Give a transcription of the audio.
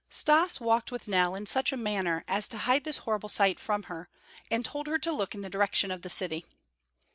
Stas walked with Nell in such a manner as to hide this horrible sight from her, and told her to look in the direction of the city.